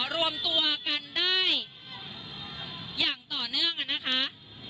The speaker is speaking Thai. รวมตัวกันได้อย่างต่อเนื่องนะคะ